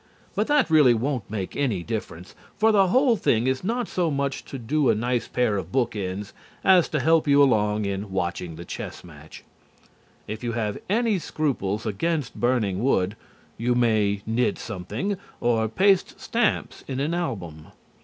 But that really won't make any difference, for the whole thing is not so much to do a nice pair of book ends as to help you along in watching the chess match. If you have any scruples against burning wood, you may knit something, or paste stamps in an album.